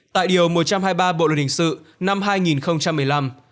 tại điều một trăm hai mươi ba bộ luật hình sự năm hai nghìn một mươi năm